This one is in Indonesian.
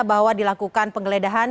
bahwa dilakukan penggeledahan